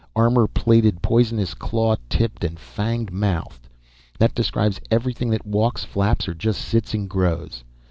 Armor plated, poisonous, claw tipped and fanged mouthed. That describes everything that walks, flaps or just sits and grows.